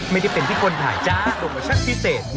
ไม่ได้เป็นที่คนถ่ายจ้าโบเชิญพิเศษ